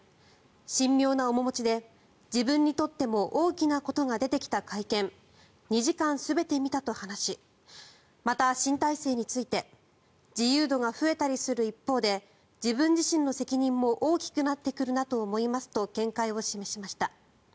神妙な面持ちで、自分にとっても大きなことが出てきた会見２時間全て見たと話しまた、新体制について自由度が増えたりする一方で自分自身の責任も大きくなってくるなと思いますと見解を示しました。